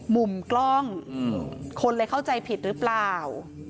มุมกล้องคนเลยเข้าใจผิดหรือเปล่า